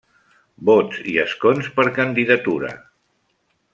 Vots i escons per candidatura.